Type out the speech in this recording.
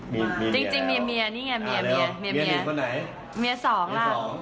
มีเพศตัวของ